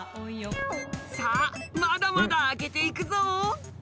さあまだまだ開けていくぞ。